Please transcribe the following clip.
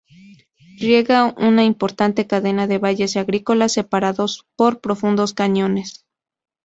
Riega una importante cadena de valles agrícolas separados por profundos cañones.